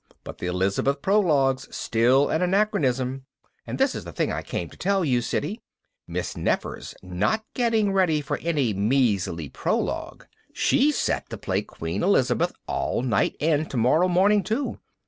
But the Elizabeth prologue's still an anachronism. And this is the thing I came to tell you, Siddy Miss Nefer's not getting ready for any measly prologue. She's set to play Queen Elizabeth all night and tomorrow morning too.